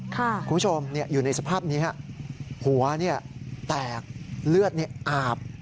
คุณผู้ชมอยู่ในสภาพนี้ฮะหัวแตกเลือดอาบ